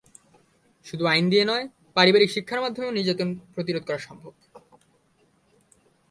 শুধু আইন দিয়ে নয়, পারিবারিক শিক্ষার মাধ্যমেও নির্যাতন প্রতিরোধ করা সম্ভব।